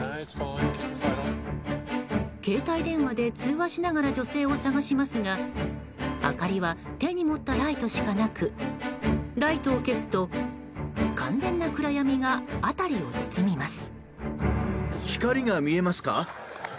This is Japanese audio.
携帯電話で通話しながら女性を捜しますが明かりは手に持ったライトしかなくライトを消すと完全な暗闇が辺りを包みます。